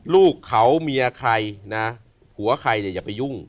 ลูกเขาเมียใครนะผัวใครเนี่ยอย่าไปยุ่ง